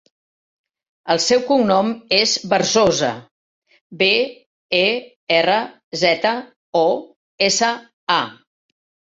El seu cognom és Berzosa: be, e, erra, zeta, o, essa, a.